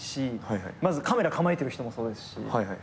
まずカメラ構えてる人もそうですし作ってる人も。